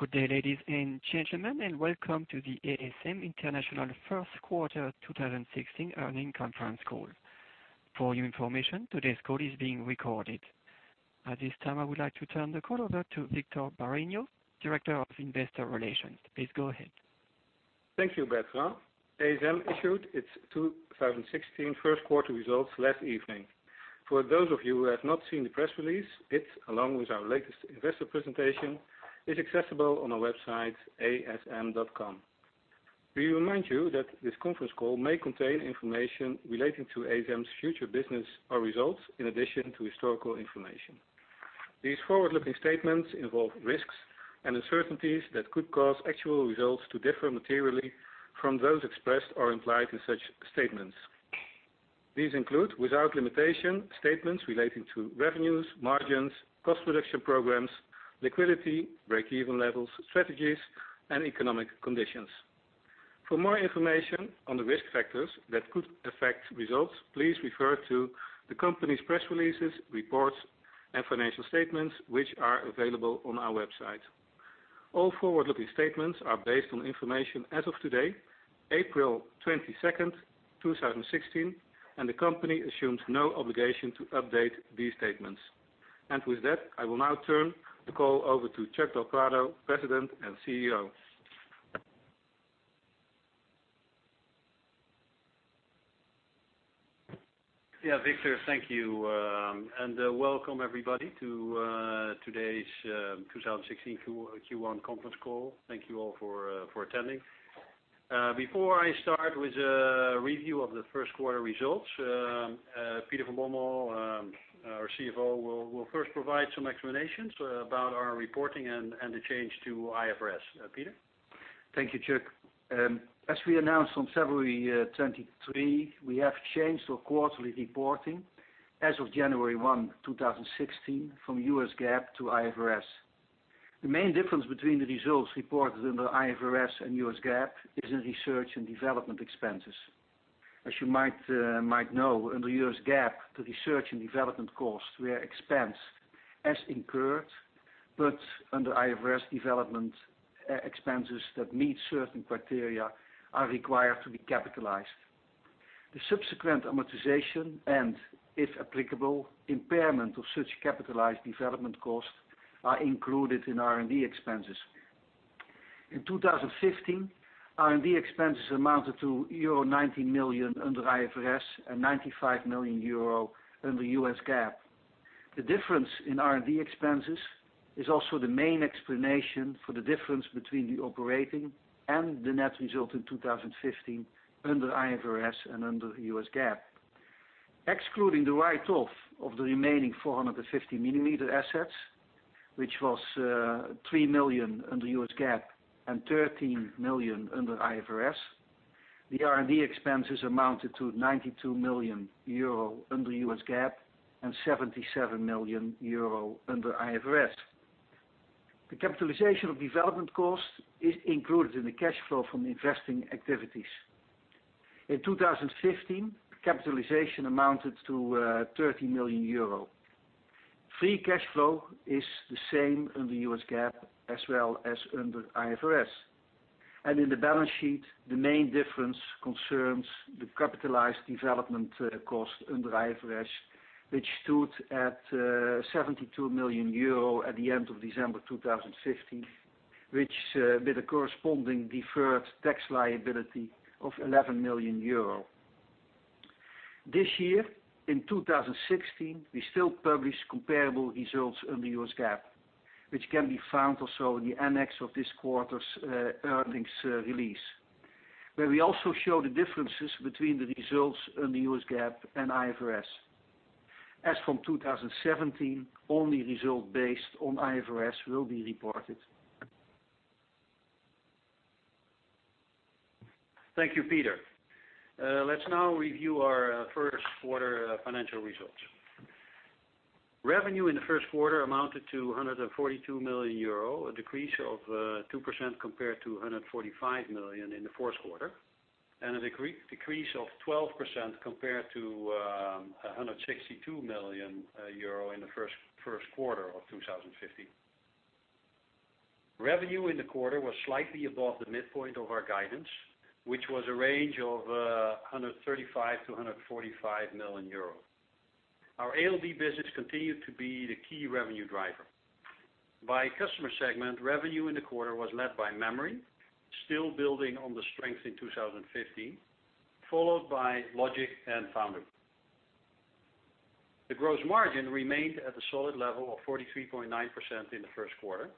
Good day, ladies and gentlemen, welcome to the ASM International first quarter 2016 earnings conference call. For your information, today's call is being recorded. At this time, I would like to turn the call over to Victor Bareño, Director of Investor Relations. Please go ahead. Thank you, Bertrand. ASM issued its 2016 first quarter results last evening. For those of you who have not seen the press release, it, along with our latest investor presentation, is accessible on our website, asm.com. We remind you that this conference call may contain information relating to ASM's future business or results, in addition to historical information. These forward-looking statements involve risks and uncertainties that could cause actual results to differ materially from those expressed or implied in such statements. These include, without limitation, statements relating to revenues, margins, cost reduction programs, liquidity, break even levels, strategies, and economic conditions. For more information on the risk factors that could affect results, please refer to the company's press releases, reports, and financial statements, which are available on our website. All forward-looking statements are based on information as of today, April 22nd, 2016, the company assumes no obligation to update these statements. With that, I will now turn the call over to Chuck del Prado, President and CEO. Victor, thank you, welcome everybody to today's 2016 Q1 conference call. Thank you all for attending. Before I start with a review of the first quarter results, Peter van Bommel, our CFO, will first provide some explanations about our reporting and the change to IFRS. Peter? Thank you, Chuck. As we announced on February 23, we have changed our quarterly reporting as of January 1, 2016, from U.S. GAAP to IFRS. The main difference between the results reported under IFRS and U.S. GAAP is in research and development expenses. As you might know, under U.S. GAAP, the research and development costs were expensed as incurred, but under IFRS, development expenses that meet certain criteria are required to be capitalized. The subsequent amortization and, if applicable, impairment of such capitalized development costs are included in R&D expenses. In 2015, R&D expenses amounted to euro 90 million under IFRS and 95 million euro under U.S. GAAP. The difference in R&D expenses is also the main explanation for the difference between the operating and the net result in 2015 under IFRS and under U.S. GAAP. Excluding the write-off of the remaining 450 millimeter assets, which was 3 million under U.S. GAAP and 13 million under IFRS, the R&D expenses amounted to 92 million euro under U.S. GAAP and 77 million euro under IFRS. The capitalization of development costs is included in the cash flow from investing activities. In 2015, capitalization amounted to 30 million euro. Free cash flow is the same under U.S. GAAP as well as under IFRS. In the balance sheet, the main difference concerns the capitalized development cost under IFRS, which stood at 72 million euro at the end of December 2015, with a corresponding deferred tax liability of 11 million euro. This year, in 2016, we still publish comparable results under U.S. GAAP, which can be found also in the annex of this quarter's earnings release, where we also show the differences between the results under U.S. GAAP and IFRS. As from 2017, only results based on IFRS will be reported. Thank you, Peter. Let's now review our first quarter financial results. Revenue in the first quarter amounted to 142 million euro, a decrease of 2% compared to 145 million in the fourth quarter, and a decrease of 12% compared to 162 million euro in the first quarter of 2015. Revenue in the quarter was slightly above the midpoint of our guidance, which was a range of 135 million-145 million euros. Our ALD business continued to be the key revenue driver. By customer segment, revenue in the quarter was led by memory, still building on the strength in 2015, followed by logic and foundry. The gross margin remained at the solid level of 43.9% in the first quarter,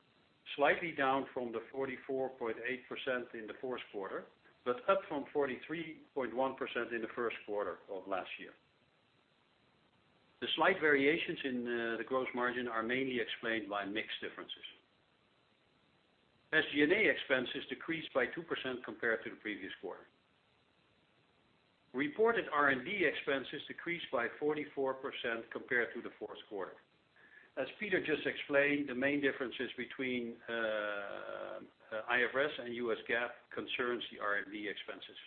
slightly down from the 44.8% in the fourth quarter, but up from 43.1% in the first quarter of last year. The slight variations in the gross margin are mainly explained by mix differences. SG&A expenses decreased by 2% compared to the previous quarter. Reported R&D expenses decreased by 44% compared to the fourth quarter. As Peter just explained, the main differences between IFRS and U.S. GAAP concerns the R&D expenses.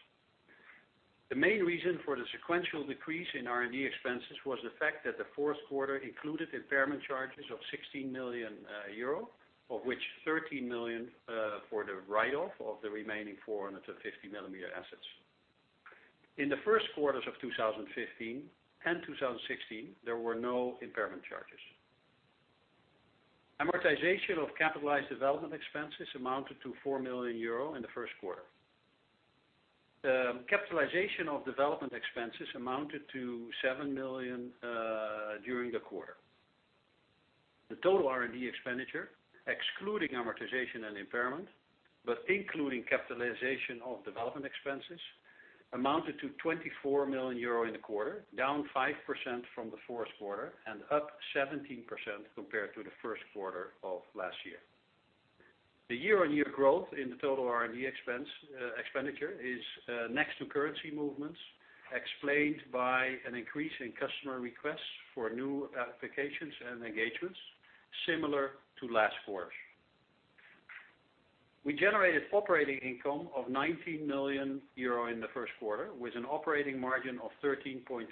The main reason for the sequential decrease in R&D expenses was the fact that the fourth quarter included impairment charges of 16 million euro, of which 13 million for the write-off of the remaining 450 millimeter assets. In the first quarters of 2015 and 2016, there were no impairment charges. Amortization of capitalized development expenses amounted to 4 million euro in the first quarter. The capitalization of development expenses amounted to 7 million during the quarter. The total R&D expenditure, excluding amortization and impairment, but including capitalization of development expenses, amounted to 24 million euro in the quarter, down 5% from the fourth quarter and up 17% compared to the first quarter of last year. The year-on-year growth in the total R&D expenditure is, next to currency movements, explained by an increase in customer requests for new applications and engagements similar to last quarter. We generated operating income of 19 million euro in the first quarter with an operating margin of 13.2%.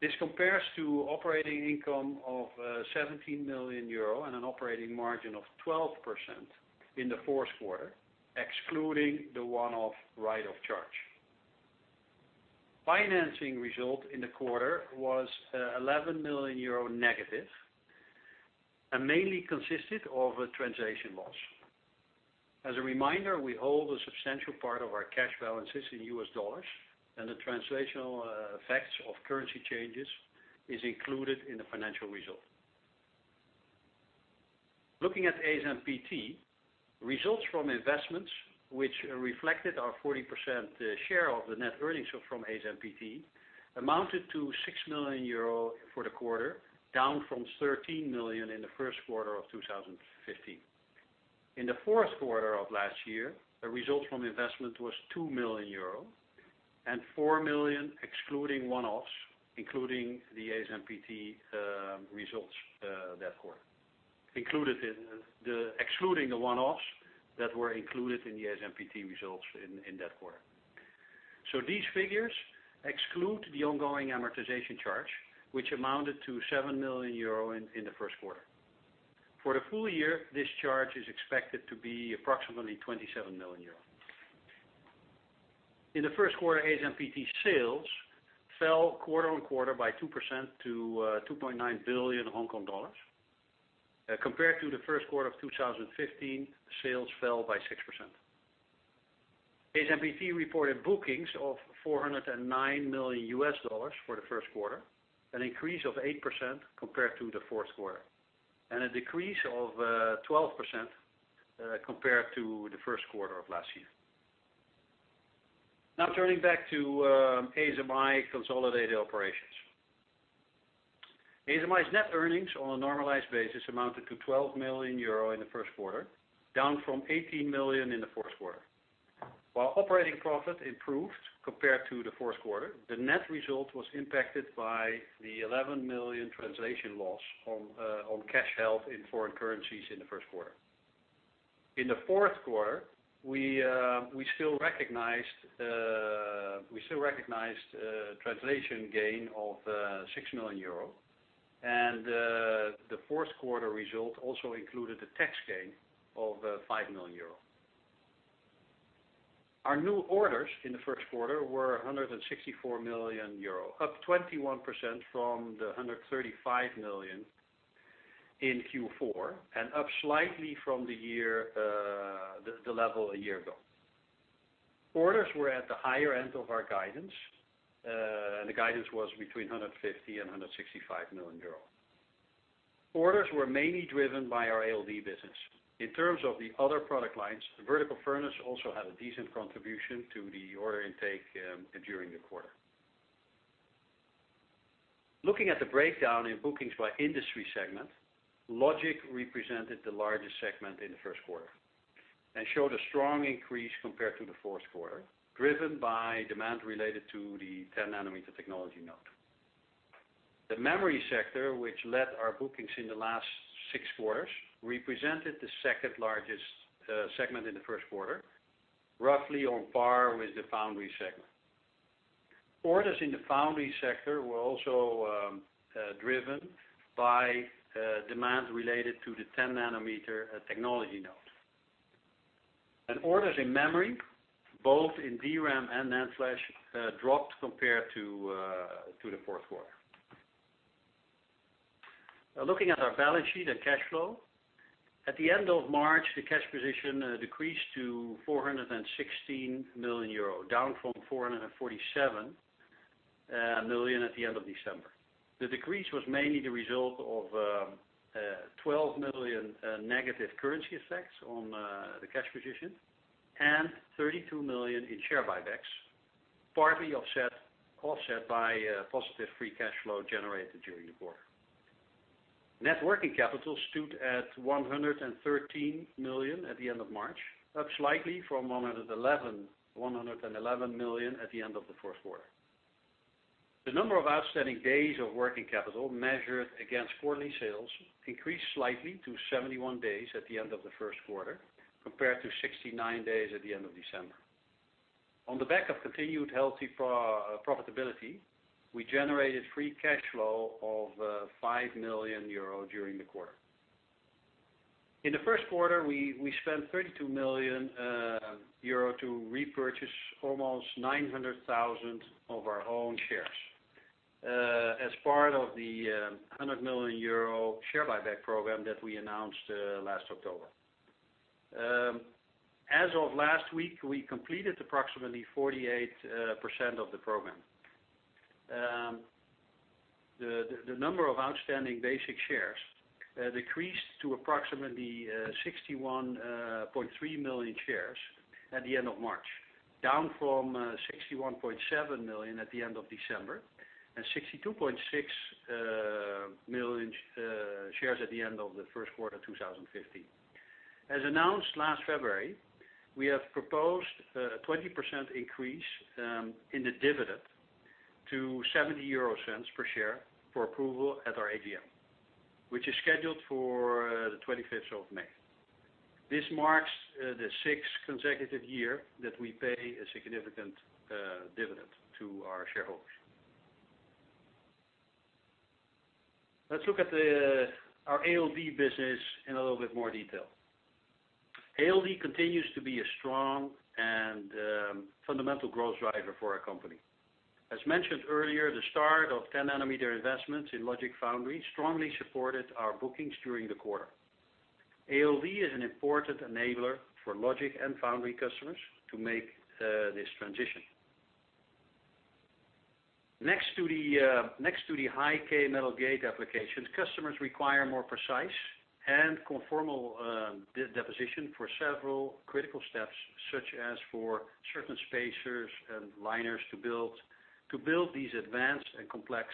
This compares to operating income of 17 million euro and an operating margin of 12% in the fourth quarter, excluding the one-off write-off charge. Financing result in the quarter was 11 million euro negative and mainly consisted of a translation loss. As a reminder, we hold a substantial part of our cash balances in U.S. dollars and the translational effects of currency changes is included in the financial result. Looking at ASMPT, results from investments which reflected our 40% share of the net earnings from ASMPT amounted to 6 million euro for the quarter, down from 13 million in the first quarter of 2015. In the fourth quarter of last year, the result from investment was 2 million euro and 4 million excluding the one-offs that were included in the ASMPT results in that quarter. These figures exclude the ongoing amortization charge, which amounted to 7 million euro in the first quarter. For the full year, this charge is expected to be approximately 27 million euros. In the first quarter, ASMPT sales fell quarter-on-quarter by 2% to 2.9 billion Hong Kong dollars. Compared to the first quarter of 2015, sales fell by 6%. ASMPT reported bookings of $409 million for the first quarter, an increase of 8% compared to the fourth quarter, and a decrease of 12% compared to the first quarter of last year. Turning back to ASMI consolidated operations. ASMI's net earnings on a normalized basis amounted to 12 million euro in the first quarter, down from 18 million in the fourth quarter. While operating profit improved compared to the fourth quarter, the net result was impacted by the 11 million translation loss on cash held in foreign currencies in the first quarter. In the fourth quarter, we still recognized translation gain of 6 million euro and the fourth quarter result also included a tax gain of 5 million euro. Our new orders in the first quarter were 164 million euro, up 21% from 135 million in Q4, and up slightly from the level a year ago. Orders were at the higher end of our guidance, and the guidance was between 150 million euros and 165 million euro. Orders were mainly driven by our ALD business. In terms of the other product lines, the Vertical Furnace also had a decent contribution to the order intake during the quarter. Looking at the breakdown in bookings by industry segment, logic represented the largest segment in the first quarter and showed a strong increase compared to the fourth quarter, driven by demand related to the 10 nanometer technology node. The memory sector, which led our bookings in the last six quarters, represented the second largest segment in the first quarter, roughly on par with the foundry segment. Orders in the foundry sector were also driven by demands related to the 10 nanometer technology node. Orders in memory, both in DRAM and NAND flash, dropped compared to the fourth quarter. Now looking at our balance sheet and cash flow. At the end of March, the cash position decreased to 416 million euro, down from 447 million at the end of December. The decrease was mainly the result of 12 million negative currency effects on the cash position and 32 million in share buybacks, partly offset by positive free cash flow generated during the quarter. Net working capital stood at 113 million at the end of March, up slightly from 111 million at the end of the fourth quarter. The number of outstanding days of working capital measured against quarterly sales increased slightly to 71 days at the end of the first quarter, compared to 69 days at the end of December. On the back of continued healthy profitability, we generated free cash flow of 5 million euro during the quarter. In the first quarter, we spent 32 million euro to repurchase almost 900,000 of our own shares as part of the 100 million euro share buyback program that we announced last October. As of last week, we completed approximately 48% of the program. The number of outstanding basic shares decreased to approximately 61.3 million shares at the end of March, down from 61.7 million at the end of December and 62.6 million shares at the end of the first quarter 2015. As announced last February, we have proposed a 20% increase in the dividend to 0.70 per share for approval at our AGM, which is scheduled for the 25th of May. This marks the sixth consecutive year that we pay a significant dividend to our shareholders. Let's look at our ALD business in a little bit more detail. ALD continues to be a strong and fundamental growth driver for our company. As mentioned earlier, the start of 10 nanometer investments in logic foundry strongly supported our bookings during the quarter. ALD is an important enabler for logic and foundry customers to make this transition. Next to the high-k metal gate applications, customers require more precise and conformal deposition for several critical steps, such as for certain spacers and liners to build these advanced and complex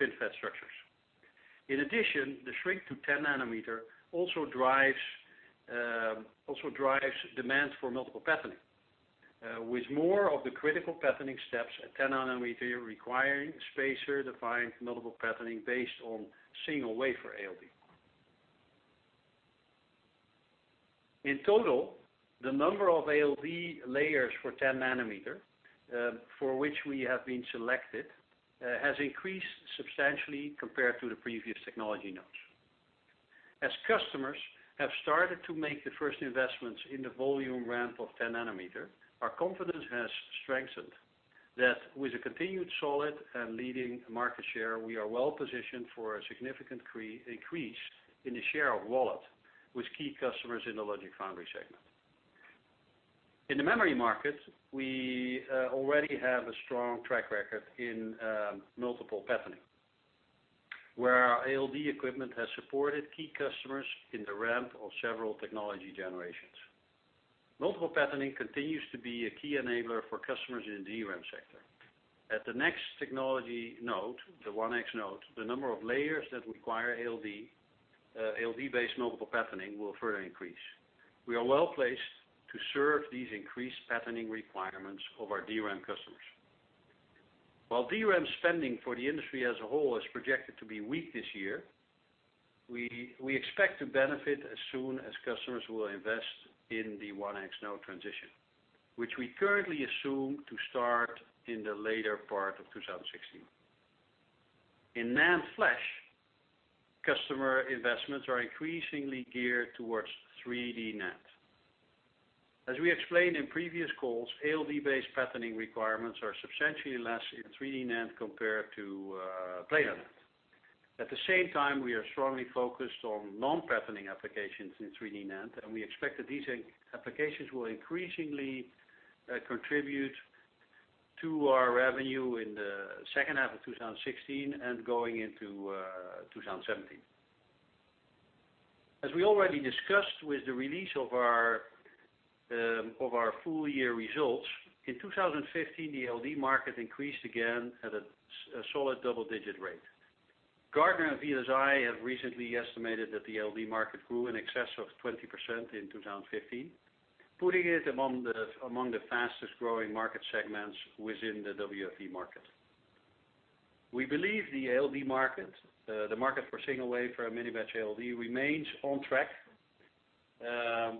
FinFET structures. In addition, the shrink to 10 nanometer also drives demand for multiple patterning. With more of the critical patterning steps at 10 nanometer requiring spacer-defined multiple patterning based on single wafer ALD. In total, the number of ALD layers for 10 nanometer, for which we have been selected, has increased substantially compared to the previous technology nodes. As customers have started to make the first investments in the volume ramp of 10 nanometer, our confidence has strengthened that with a continued solid and leading market share, we are well positioned for a significant increase in the share of wallet with key customers in the logic foundry segment. In the memory market, we already have a strong track record in multiple patterning, where our ALD equipment has supported key customers in the ramp of several technology generations. Multiple patterning continues to be a key enabler for customers in the DRAM sector. At the next technology node, the 1x node, the number of layers that require ALD-based multiple patterning will further increase. We are well-placed to serve these increased patterning requirements of our DRAM customers. While DRAM spending for the industry as a whole is projected to be weak this year, we expect to benefit as soon as customers will invest in the 1x node transition, which we currently assume to start in the later part of 2016. In NAND flash, customer investments are increasingly geared towards 3D NAND. As we explained in previous calls, ALD-based patterning requirements are substantially less in 3D NAND compared to planars. At the same time, we are strongly focused on non-patterning applications in 3D NAND, and we expect that these applications will increasingly contribute to our revenue in the second half of 2016 and going into 2017. As we already discussed with the release of our full-year results, in 2015, the ALD market increased again at a solid double-digit rate. Gartner and VLSI Research have recently estimated that the ALD market grew in excess of 20% in 2015, putting it among the fastest-growing market segments within the WFE market. We believe the ALD market, the market for single wafer and mini batch ALD, remains on track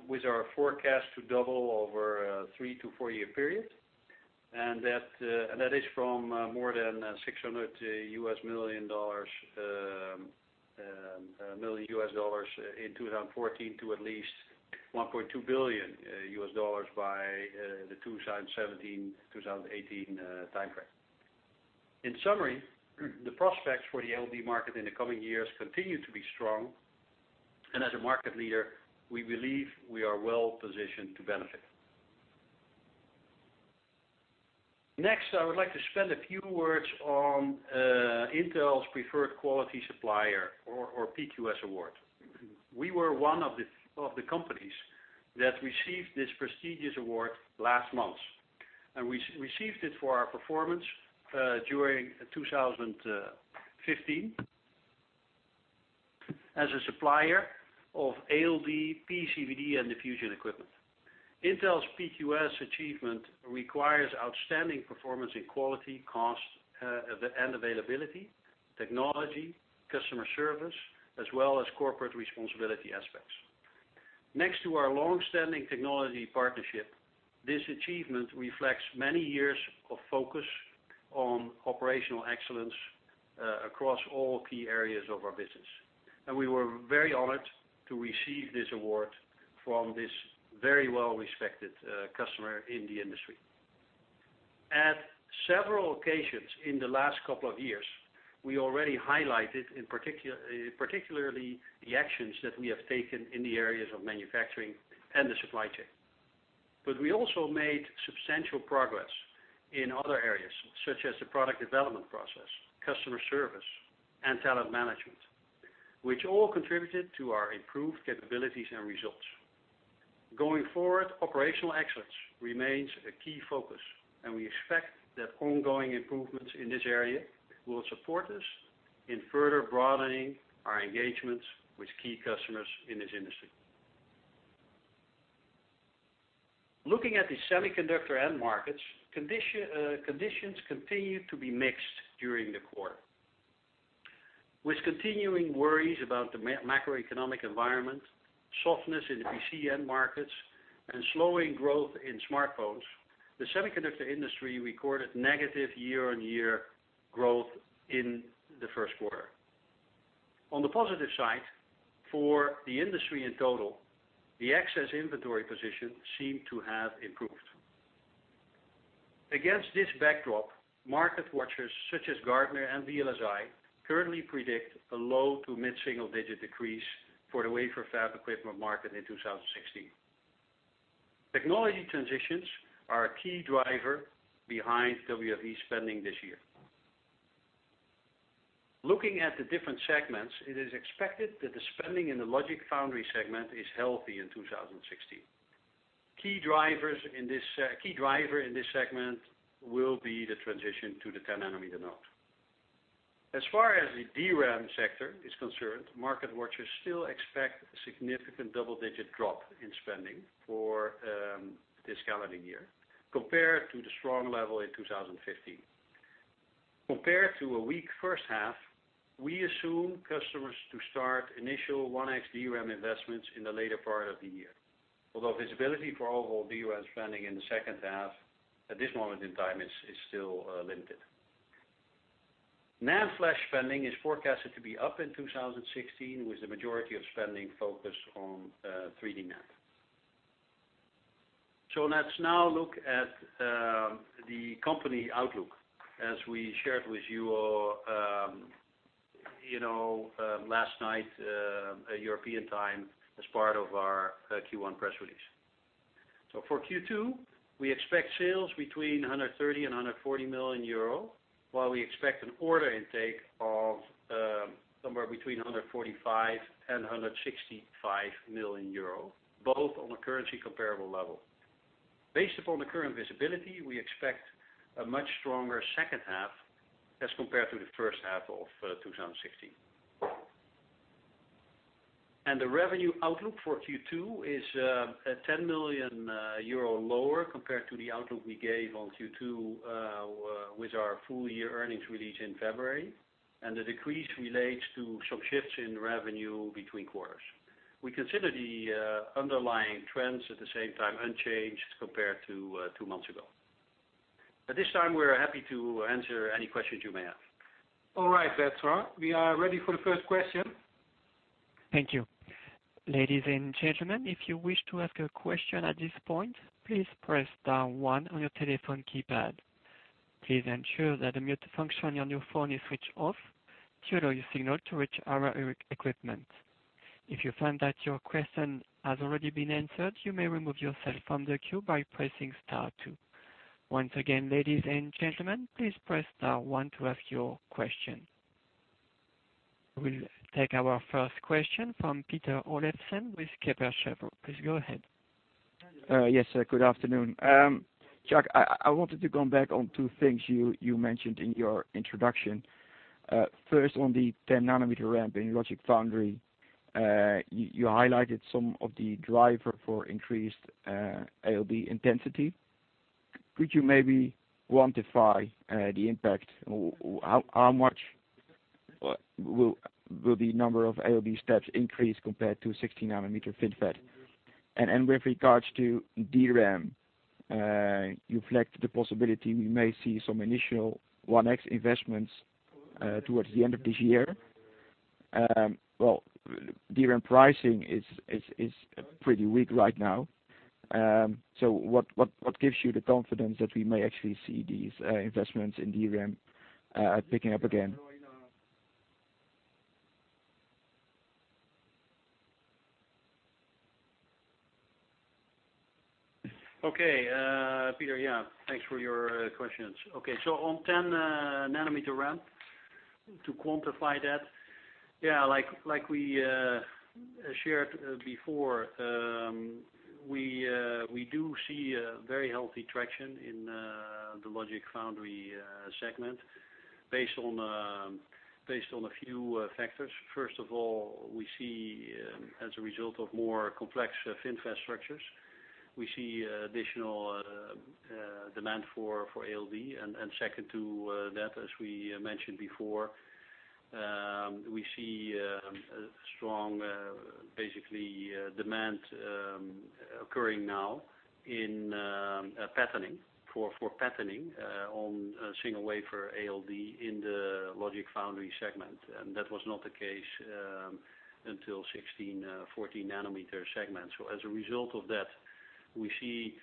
with our forecast to double over a three- to four-year period. That is from more than $600 million in 2014 to at least $1.2 billion by the 2017, 2018 timeframe. In summary, the prospects for the ALD market in the coming years continue to be strong. As a market leader, we believe we are well positioned to benefit. Next, I would like to spend a few words on Intel's Preferred Quality Supplier or PQS Award. We were one of the companies that received this prestigious award last month, and we received it for our performance during 2015. As a supplier of ALD, PVD and diffusion equipment. Intel's PQS achievement requires outstanding performance in quality, cost, and availability, technology, customer service, as well as corporate responsibility aspects. Next to our long-standing technology partnership, this achievement reflects many years of focus on operational excellence, across all key areas of our business. We were very honored to receive this award from this very well-respected customer in the industry. At several occasions in the last couple of years, we already highlighted, particularly the actions that we have taken in the areas of manufacturing and the supply chain. But we also made substantial progress in other areas, such as the product development process, customer service, and talent management, which all contributed to our improved capabilities and results. Going forward, operational excellence remains a key focus, and we expect that ongoing improvements in this area will support us in further broadening our engagements with key customers in this industry. Looking at the semiconductor end markets, conditions continued to be mixed during the quarter. With continuing worries about the macroeconomic environment, softness in the PC end markets, and slowing growth in smartphones, the semiconductor industry recorded negative year-over-year growth in the first quarter. On the positive side, for the industry in total, the excess inventory position seemed to have improved. Against this backdrop, market watchers such as Gartner and VLSI currently predict a low to mid-single-digit decrease for the wafer fab equipment market in 2016. Technology transitions are a key driver behind WFE spending this year. Looking at the different segments, it is expected that the spending in the logic foundry segment is healthy in 2016. Key driver in this segment will be the transition to the 10 nanometer node. As far as the DRAM sector is concerned, market watchers still expect a significant double-digit drop in spending for this calendar year compared to the strong level in 2015. Compared to a weak first half, we assume customers to start initial 1x DRAM investments in the later part of the year. Although visibility for overall DRAM spending in the second half, at this moment in time, is still limited. NAND flash spending is forecasted to be up in 2016, with the majority of spending focused on 3D NAND. Let's now look at the company outlook, as we shared with you last night European time as part of our Q1 press release. For Q2, we expect sales between 130 million and 140 million euro, while we expect an order intake of somewhere between 145 million and 165 million euro, both on a currency comparable level. Based upon the current visibility, we expect a much stronger second half as compared to the first half of 2016. The revenue outlook for Q2 is at 10 million euro lower compared to the outlook we gave on Q2 with our full year earnings release in February, and the decrease relates to some shifts in revenue between quarters. We consider the underlying trends at the same time unchanged compared to two months ago. At this time, we're happy to answer any questions you may have. All right, Bertrand, we are ready for the first question. Thank you. Ladies and gentlemen, if you wish to ask a question at this point, please press star one on your telephone keypad. Please ensure that the mute function on your phone is switched off to allow your signal to reach our equipment. If you find that your question has already been answered, you may remove yourself from the queue by pressing star two. Once again, ladies and gentlemen, please press star one to ask your question. We'll take our first question from Peter Olofsen with Kepler Cheuvreux. Please go ahead. Yes, good afternoon. Chuck, I wanted to come back on two things you mentioned in your introduction. First, on the 10 nanometer ramp in logic foundry, you highlighted some of the driver for increased ALD intensity. Could you maybe quantify the impact? How much will the number of ALD steps increase compared to 16 nanometer FinFET? With regards to DRAM, you flagged the possibility we may see some initial 1x investments towards the end of this year. DRAM pricing is pretty weak right now. What gives you the confidence that we may actually see these investments in DRAM picking up again? Okay. Peter, yeah, thanks for your questions. Okay, on 10 nanometer ramp, to quantify that, As shared before, we do see a very healthy traction in the logic foundry segment based on a few factors. First of all, as a result of more complex FinFET structures, we see additional demand for ALD. Second to that, as we mentioned before, we see strong demand occurring now for patterning on single wafer ALD in the logic foundry segment. That was not the case until 16, 14 nanometer segment. As a result of that, we see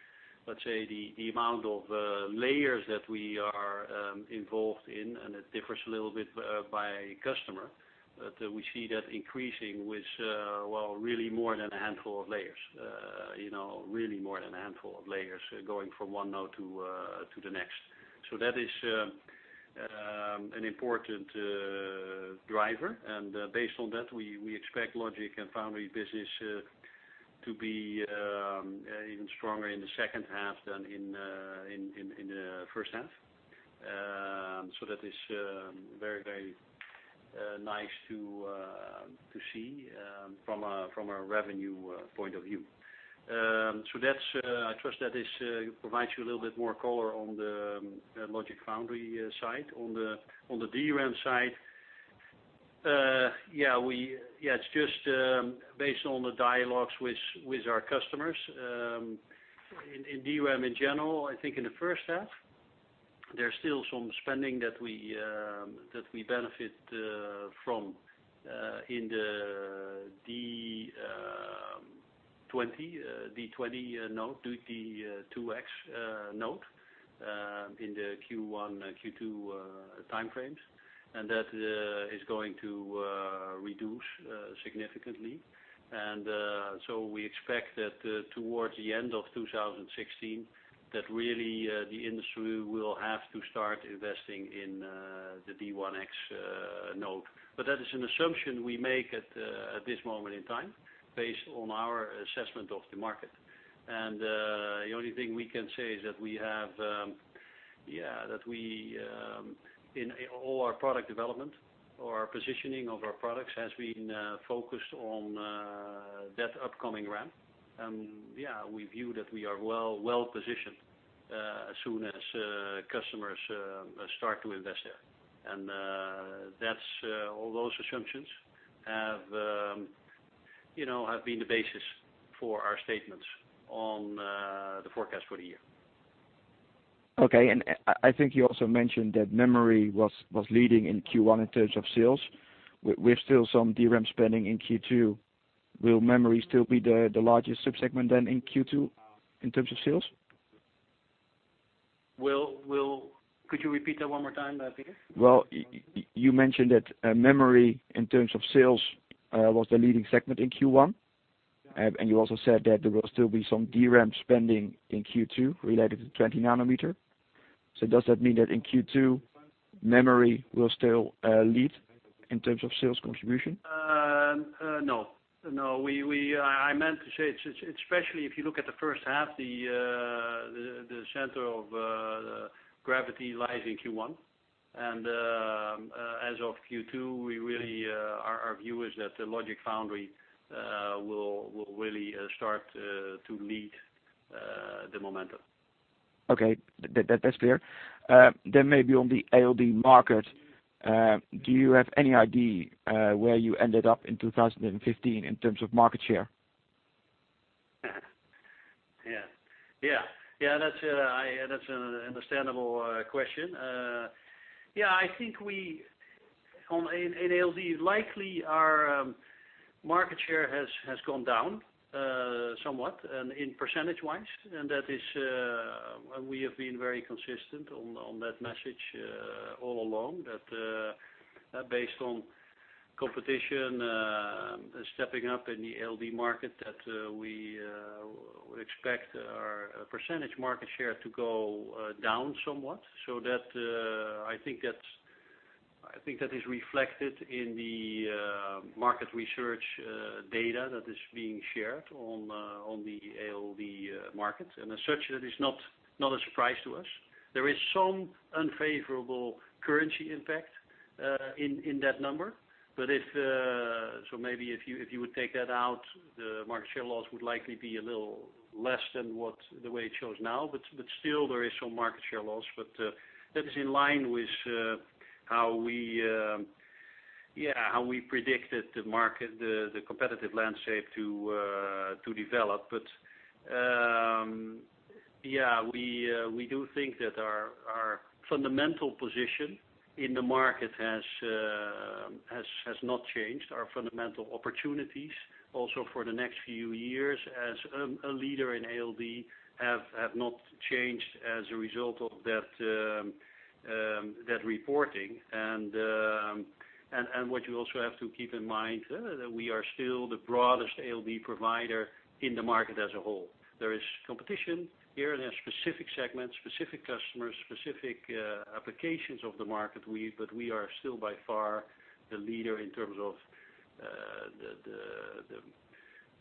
the amount of layers that we are involved in, and it differs a little bit by customer, but we see that increasing with really more than a handful of layers going from one node to the next. That is an important driver, and based on that, we expect logic and foundry business to be even stronger in the second half than in the first half. That is very nice to see from a revenue point of view. I trust that this provides you a little bit more color on the logic foundry side. On the DRAM side, it's just based on the dialogues with our customers. In DRAM in general, I think in the first half, there's still some spending that we benefit from in the 20nm node, 2x nm node in the Q1, Q2 time frames. That is going to reduce significantly. We expect that towards the end of 2016, that really, the industry will have to start investing in the 1x nm node. That is an assumption we make at this moment in time, based on our assessment of the market. The only thing we can say is that all our product development or our positioning of our products has been focused on that upcoming ramp. Yeah, we view that we are well positioned as soon as customers start to invest there. All those assumptions have been the basis for our statements on the forecast for the year. Okay. I think you also mentioned that memory was leading in Q1 in terms of sales. With still some DRAM spending in Q2, will memory still be the largest sub-segment then in Q2 in terms of sales? Could you repeat that one more time, Peter? Well, you mentioned that memory in terms of sales, was the leading segment in Q1. You also said that there will still be some DRAM spending in Q2 related to 20 nanometer. Does that mean that in Q2, memory will still lead in terms of sales contribution? No. I meant to say, especially if you look at the first half, the center of gravity lies in Q1. As of Q2, our view is that the logic foundry will really start to lead the momentum. Okay. That's clear. Maybe on the ALD market, do you have any idea where you ended up in 2015 in terms of market share? Yeah. That's an understandable question. I think in ALD, likely our market share has gone down somewhat and in percentage-wise. We have been very consistent on that message all along, that based on competition stepping up in the ALD market, that we would expect our percentage market share to go down somewhat. I think that is reflected in the market research data that is being shared on the ALD market. As such, that is not a surprise to us. There is some unfavorable currency impact in that number. Maybe if you would take that out, the market share loss would likely be a little less than the way it shows now. Still, there is some market share loss, but that is in line with how we predicted the competitive landscape to develop. We do think that our fundamental position in the market has not changed. Our fundamental opportunities also for the next few years as a leader in ALD have not changed as a result of that reporting. What you also have to keep in mind, that we are still the broadest ALD provider in the market as a whole. There is competition here in a specific segment, specific customers, specific applications of the market. We are still by far the leader in terms of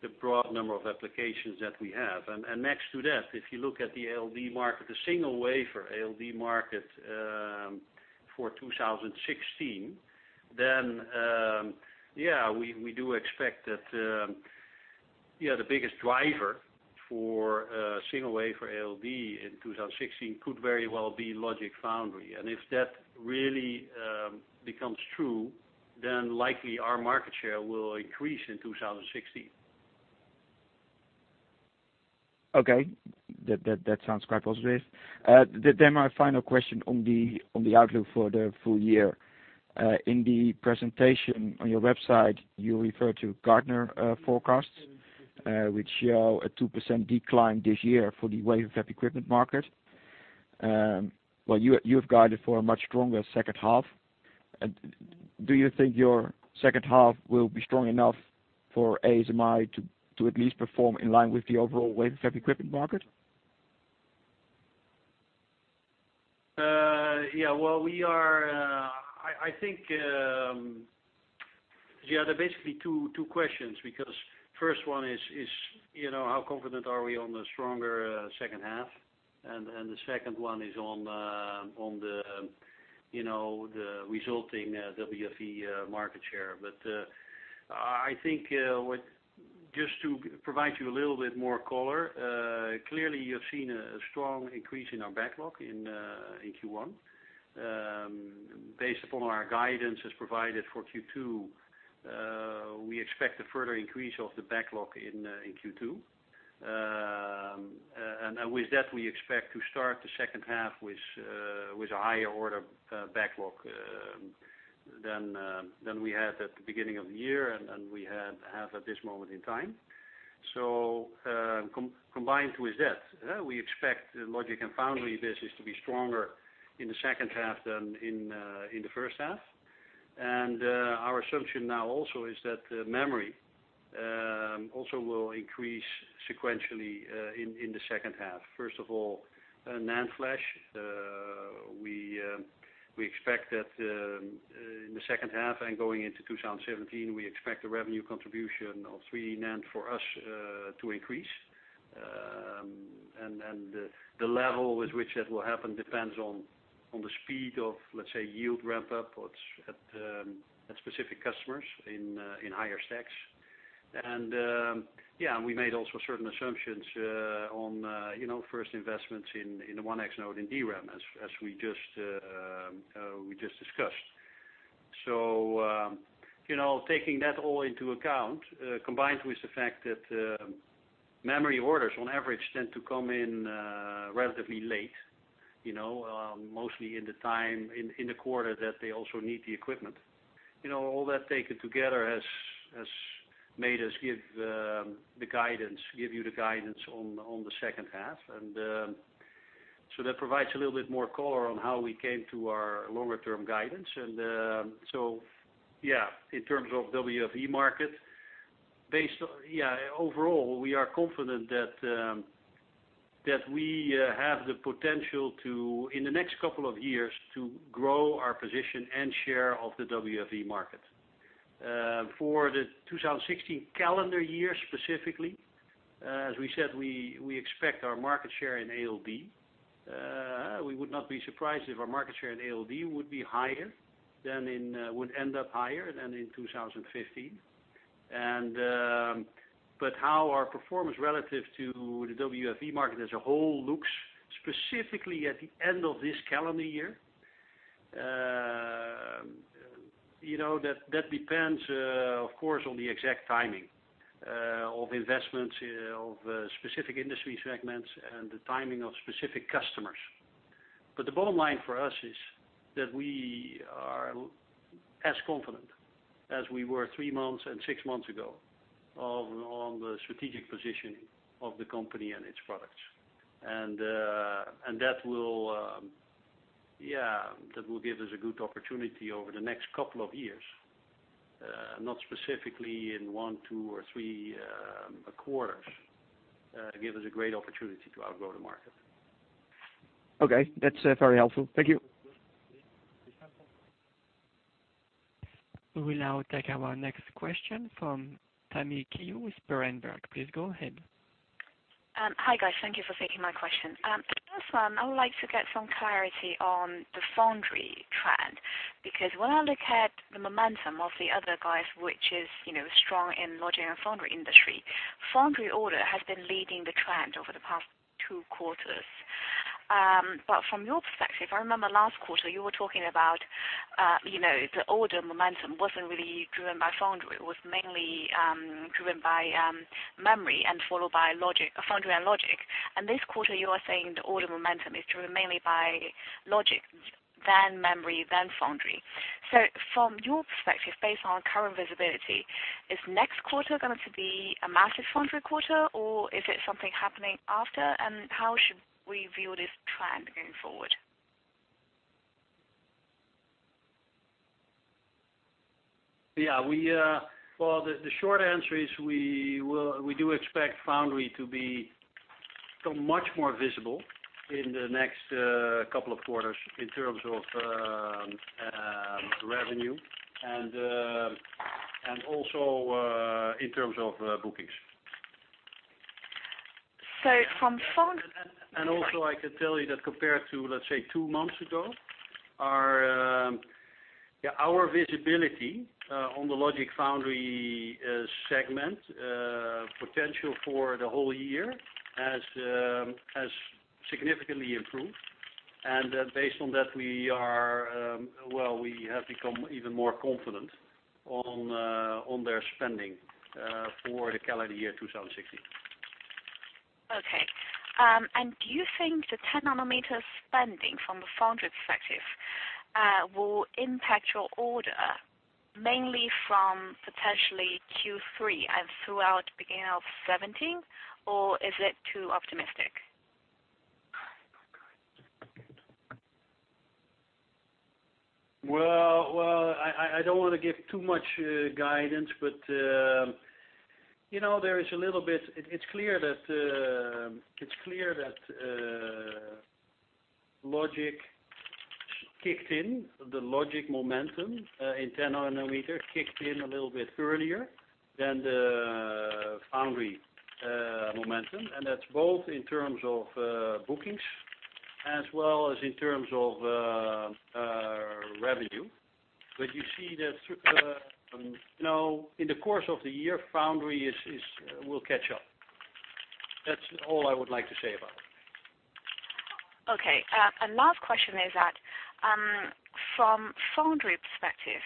the broad number of applications that we have. Next to that, if you look at the ALD market, the single-wafer ALD market for 2016, yes, we do expect that the biggest driver for single-wafer ALD in 2016 could very well be logic foundry. If that really becomes true, likely our market share will increase in 2016. Okay. That sounds quite positive. My final question on the outlook for the full year. In the presentation on your website, you refer to Gartner forecasts, which show a 2% decline this year for the wafer fab equipment market. Well, you've guided for a much stronger second half. Do you think your second half will be strong enough for ASMI to at least perform in line with the overall wafer fab equipment market? Yes. There are basically two questions. First one is, how confident are we on the stronger second half? The second one is on the resulting WFE market share. Just to provide you a little bit more color, clearly you've seen a strong increase in our backlog in Q1. Based upon our guidance as provided for Q2, we expect a further increase of the backlog in Q2. With that, we expect to start the second half with a higher order backlog than we had at the beginning of the year and we have at this moment in time. Combined with that, we expect logic and foundry business to be stronger in the second half than in the first half. Our assumption now also is that memory also will increase sequentially in the second half. First of all, NAND flash. We expect that in the second half and going into 2017, we expect the revenue contribution of 3D NAND for us to increase. The level with which that will happen depends on the speed of, let's say, yield ramp-up at specific customers in higher stacks. We made also certain assumptions on first investments in the 1x-nanometer node in DRAM as we just discussed. Taking that all into account, combined with the fact that memory orders on average tend to come in relatively late, mostly in the quarter that they also need the equipment. All that taken together has made us give you the guidance on the second half. That provides a little bit more color on how we came to our longer-term guidance. Yes, in terms of WFE market, overall we are confident that we have the potential, in the next couple of years, to grow our position and share of the WFE market. For the 2016 calendar year specifically, as we said, we expect our market share in ALD. We would not be surprised if our market share in ALD would end up higher than in 2015. How our performance relative to the WFE market as a whole looks specifically at the end of this calendar year, that depends, of course, on the exact timing of investments of specific industry segments and the timing of specific customers. The bottom line for us is that we are as confident as we were three months and six months ago on the strategic positioning of the company and its products. That will give us a good opportunity over the next couple of years, not specifically in one, two, or three quarters, give us a great opportunity to outgrow the market. Okay. That's very helpful. Thank you. We will now take our next question from Tammy Qiu with Berenberg. Please go ahead. Hi, guys. Thank you for taking my question. To start, I would like to get some clarity on the foundry trend, because when I look at the momentum of the other guys, which is strong in logic and foundry industry, foundry order has been leading the trend over the past two quarters. From your perspective, I remember last quarter you were talking about the order momentum wasn't really driven by foundry. It was mainly driven by memory and followed by foundry and logic. This quarter, you are saying the order momentum is driven mainly by logic, then memory, then foundry. From your perspective, based on current visibility, is next quarter going to be a massive foundry quarter or is it something happening after? How should we view this trend going forward? Yes. Well, the short answer is we do expect foundry to become much more visible in the next couple of quarters in terms of revenue and also in terms of bookings. So from found- Also, I can tell you that compared to, let's say, two months ago, our visibility on the logic foundry segment potential for the whole year has significantly improved. Based on that, we have become even more confident on their spending for the calendar year 2016. Okay. Do you think the 10 nanometer spending from the foundry perspective will impact your order mainly from potentially Q3 and throughout beginning of 2017, or is it too optimistic? Well, I don't want to give too much guidance, but it's clear that logic kicked in, the logic momentum in 10 nanometer kicked in a little bit earlier than the foundry momentum. That's both in terms of bookings as well as in terms of revenue. You see that in the course of the year, foundry will catch up. That's all I would like to say about it. Okay. Last question is that, from foundry perspective,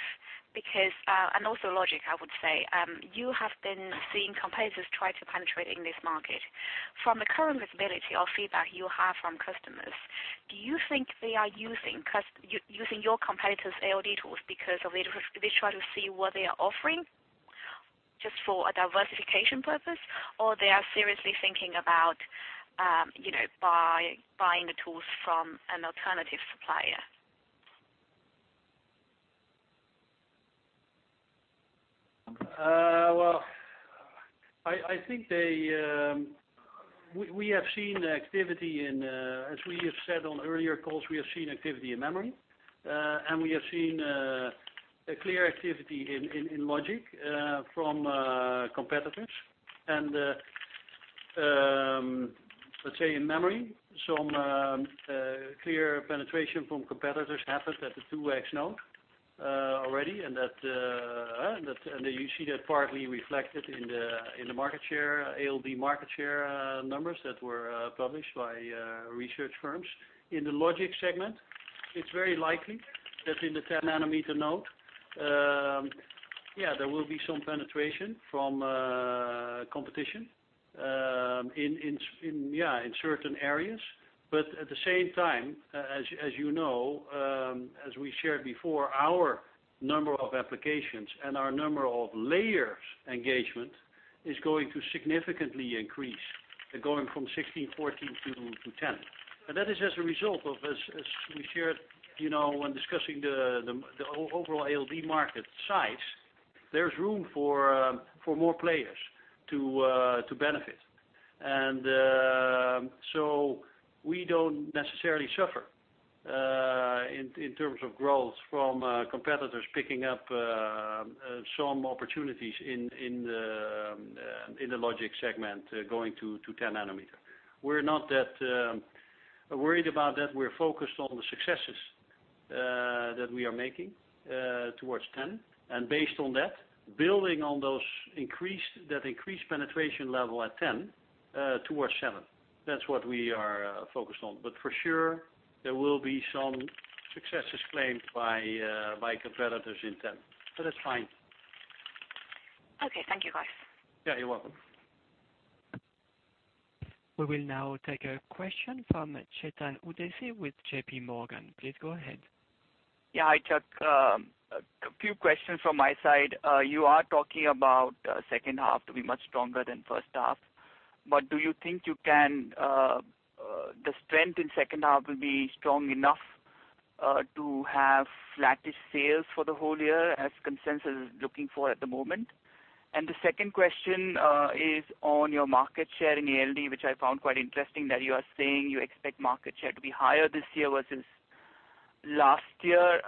and also logic, I would say, you have been seeing competitors try to penetrate in this market. From the current visibility or feedback you have from customers, do you think they are using your competitor's ALD tools because they try to see what they are offering just for a diversification purpose, or they are seriously thinking about buying the tools from an alternative supplier? Well, we have seen activity in, as we have said on earlier calls, we have seen activity in memory, and we have seen a clear activity in logic from competitors. Let's say in memory, some clear penetration from competitors happened at the 2x nm node already, and you see that partly reflected in the ALD market share numbers that were published by research firms. In the logic segment, it's very likely that in the 10 nanometer node, there will be some penetration from competition in certain areas. At the same time, as you know, as we shared before, our number of applications and our number of layers engagement is going to significantly increase, going from 16, 14 to 10. That is as a result of, as we shared when discussing the overall ALD market size, there's room for more players to benefit. We don't necessarily suffer in terms of growth from competitors picking up some opportunities in the logic segment going to 10 nanometer. We're not that worried about that. We're focused on the successes that we are making towards 10, and based on that, building on that increased penetration level at 10 towards 7. That's what we are focused on. For sure, there will be some successes claimed by competitors in 10. That's fine. Okay. Thank you, guys. Yeah, you're welcome. We will now take a question from Chetan Udeshi with JP Morgan. Please go ahead. Yeah. Hi, Chuck. A few questions from my side. You are talking about second half to be much stronger than first half, but do you think the strength in second half will be strong enough to have flattish sales for the whole year as consensus is looking for at the moment? The second question is on your market share in ALD, which I found quite interesting that you are saying you expect market share to be higher this year versus last year.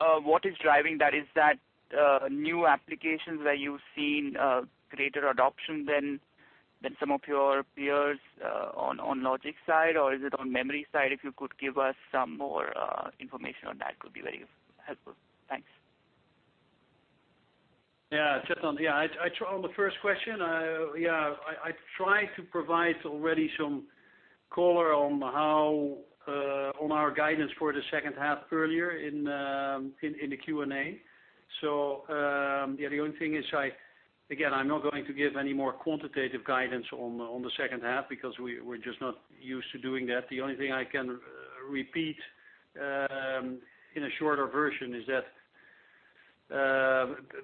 What is driving that? Is that new applications where you've seen greater adoption than some of your peers on logic side, or is it on memory side? If you could give us some more information on that, could be very helpful. Thanks. Yeah, Chetan. On the first question, I tried to provide already some color on our guidance for the second half earlier in the Q&A. The only thing is, again, I'm not going to give any more quantitative guidance on the second half because we're just not used to doing that. The only thing I can repeat in a shorter version is that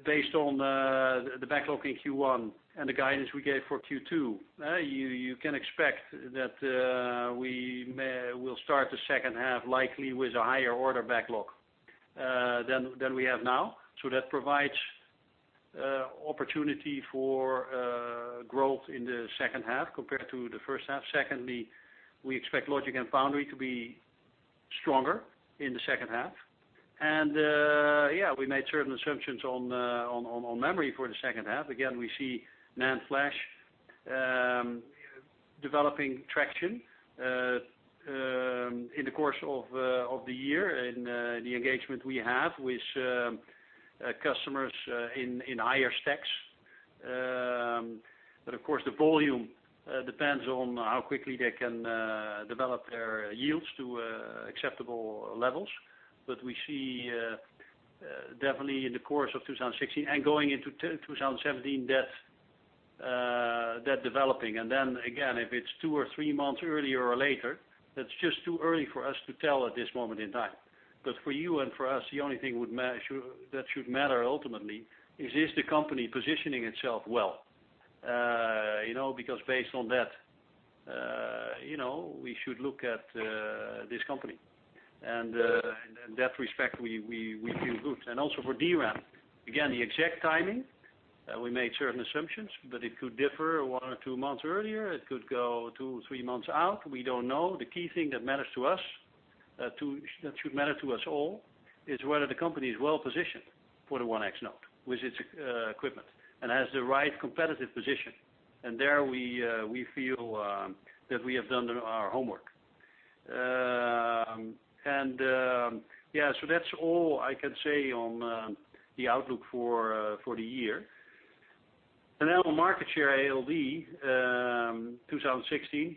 based on the backlog in Q1 and the guidance we gave for Q2, you can expect that we'll start the second half likely with a higher order backlog than we have now. That provides opportunity for growth in the second half compared to the first half. Secondly, we expect logic and foundry to be stronger in the second half. We made certain assumptions on memory for the second half. Again, we see NAND flash developing traction in the course of the year and the engagement we have with customers in higher stacks. Of course, the volume depends on how quickly they can develop their yields to acceptable levels. We see definitely in the course of 2016 and going into 2017, that developing. Then again, if it's two or three months earlier or later, that's just too early for us to tell at this moment in time. For you and for us, the only thing that should matter ultimately is the company positioning itself well? Because based on that we should look at this company. In that respect, we feel good. Also for DRAM, again, the exact timing, we made certain assumptions, but it could differ one or two months earlier. It could go two or three months out. We don't know. The key thing that should matter to us all is whether the company is well-positioned for the 1x-nanometer node with its equipment and has the right competitive position. There we feel that we have done our homework. That's all I can say on the outlook for the year. Then on market share ALD 2016.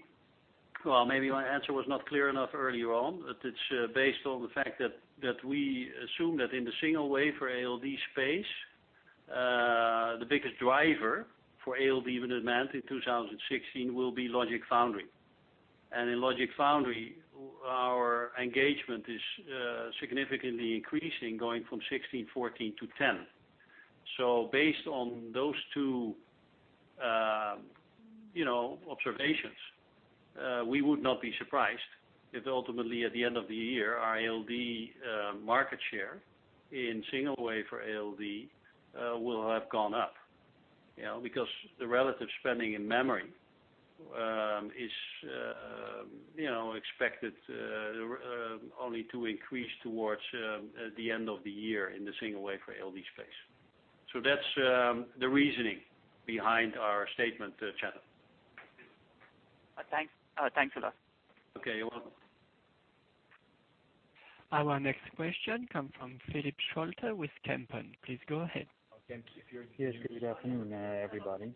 Well, maybe my answer was not clear enough earlier on, but it's based on the fact that we assume that in the single wafer ALD space, the biggest driver for ALD, even as demand in 2016, will be logic foundry. In logic foundry, our engagement is significantly increasing, going from 16, 14 to 10. Based on those two observations, we would not be surprised if ultimately at the end of the year, our ALD market share in single wafer ALD will have gone up. Because the relative spending in memory is expected only to increase towards the end of the year in the single wafer ALD space. That's the reasoning behind our statement, Chetan. Thanks. Thanks a lot. Okay, you're welcome. Our next question come from Philip Scholte with Kempen. Please go ahead. Yes, good afternoon everybody.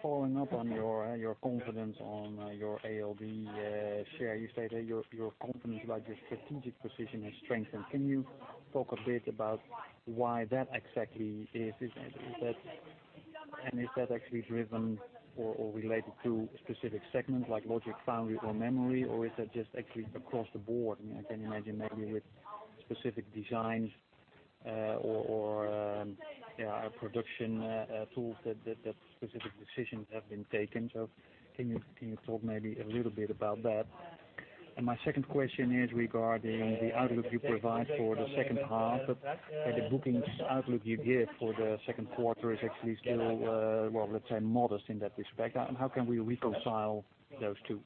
Following up on your confidence on your ALD share, you say that your confidence about your strategic position has strengthened. Can you talk a bit about why that exactly is? Is that actually driven or related to specific segments like logic foundry or memory? Is that just actually across the board? I can imagine maybe with specific designs or production tools that specific decisions have been taken. Can you talk maybe a little bit about that? My second question is regarding the outlook you provide for the second half, but the bookings outlook you give for the second quarter is actually still, well, let's say modest in that respect. How can we reconcile those two?